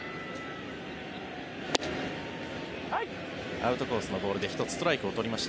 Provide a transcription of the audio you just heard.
アウトコースのボールで１つストライクを取りました。